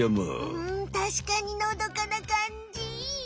うんたしかにのどかなかんじ。